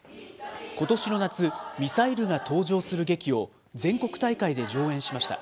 ことしの夏、ミサイルが登場する劇を全国大会で上演しました。